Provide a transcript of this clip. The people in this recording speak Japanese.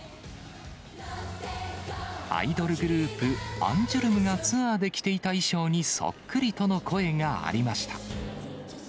アイドルグループ、アンジュルムがツアーで着ていた衣装にそっくりとの声がありました。